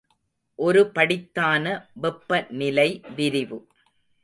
ஒருபடித்தான வெப்ப நிலை விரிவு.